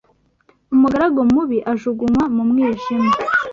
Umugaragu mubi ajugunywa mu mwijima